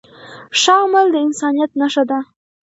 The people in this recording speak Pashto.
ښه عمل د انسانیت نښه ده.